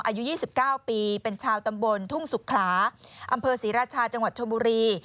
อายุ๒๙ปีเป็นชาวตำบลทุ่งสุขลาอำเภอศรีราชาจังหวัดชมบุรี